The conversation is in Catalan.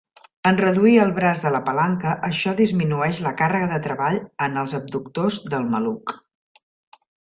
En reduir el braç de la palanca, això disminueix la càrrega de treball en els abductors del maluc.